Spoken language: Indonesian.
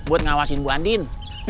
buat ngawasin ibu andin